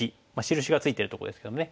印が付いてるとこですけどね